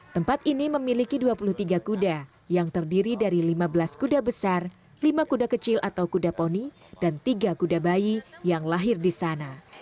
tempat ini memiliki dua puluh tiga kuda yang terdiri dari lima belas kuda besar lima kuda kecil atau kuda poni dan tiga kuda bayi yang lahir di sana